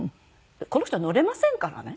この人は乗れませんからね